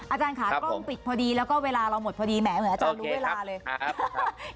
อาจารย์ค่ะกล้องปิดพอดีแล้วก็เวลาเราหมดพอดีแหมเหมือนอาจารย์รู้เวลาเลย